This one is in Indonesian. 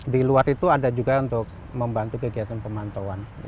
di luar itu ada juga untuk membantu kegiatan pemantauan